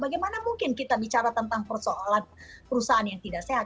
bagaimana mungkin kita bicara tentang persoalan perusahaan yang tidak sehat